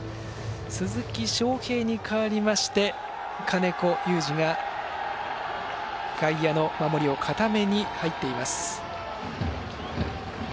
鈴木将平に代わりまして金子侑司が外野の守りを固めに入っています。